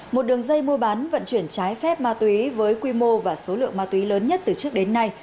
một đường dây mua bán vận chuyển trái phép ma túy với quy mô và số lượng ma túy lớn nhất từ trước đến nay